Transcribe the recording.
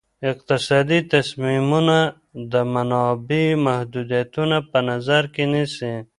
اقتصادي تصمیمونه د منابعو محدودیتونه په نظر کې نیسي.